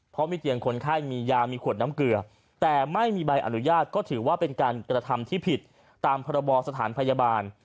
เพราะมีเตียงคนไข้มียามีขวดน้ำเกลือแต่ไม่มีใบอนุญาตก็ถือว่าเป็นการกระทำที่ผิดตามพรบสถานพยาบาล